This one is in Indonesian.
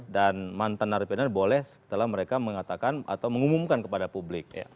dan mantanar pidana boleh setelah mereka mengatakan atau mengumumkan kepada publik